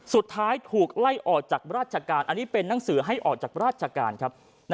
สุดท้ายถูกไล่ออกจากราชการอันนี้เป็นหนังสือให้ออกจากราชการครับ